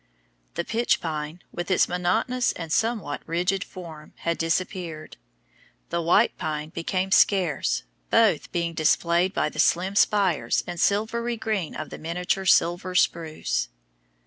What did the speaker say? The pitch pine, with its monotonous and somewhat rigid form, had disappeared; the white pine became scarce, both being displayed by the slim spires and silvery green of the miniature silver spruce.